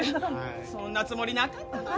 そんなつもりなかったのに。